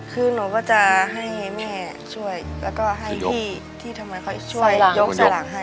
คือหนูก็จะให้แม่ช่วยแล้วก็ให้พี่ที่ทำไมเขาช่วยยกฉลากให้